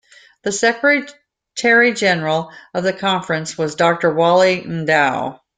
The Secretary-General of the Conference was Doctor Wally N'Dow.